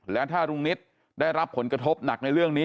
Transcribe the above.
และถ้าลุงนิตได้รับผลกระทบหนักในเรื่องนี้